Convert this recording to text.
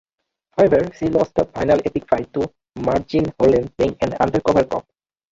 However, she lost the final epic fight to Marjean Holden playing an undercover cop.